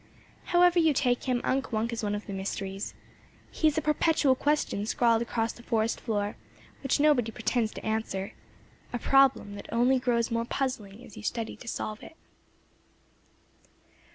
However you take him, Unk Wunk is one of the mysteries. He is a perpetual question scrawled across the forest floor, which nobody pretends to answer; a problem that grows only more puzzling as you study to solve it.